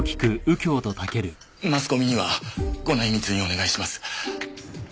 マスコミにはご内密にお願いします。